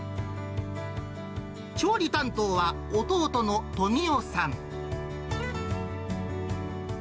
調理担当は弟の富男さん。